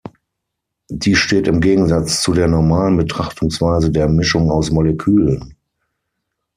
Dies steht im Gegensatz zu der normalen Betrachtungsweise der "Mischung aus Molekülen".